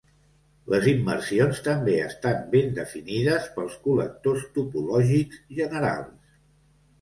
Les immersions també estan ben definides pels col·lectors topològics generals.